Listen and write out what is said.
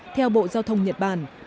theo bộ giao thông nhật bản